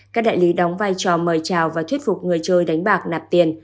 các đại lý đóng vai trò mời chào và thuyết phục người chơi đánh bạc nạp tiền